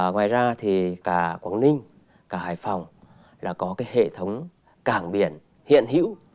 ngoài ra thì cả quảng ninh cả hải phòng là có cái hệ thống cảng biển hiện hữu